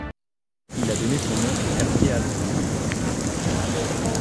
Il a donné son nom au quartier alentour.